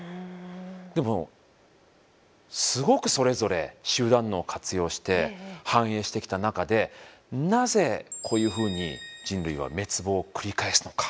でもすごくそれぞれ集団脳を活用して繁栄してきた中でなぜこういうふうに人類は滅亡を繰り返すのか。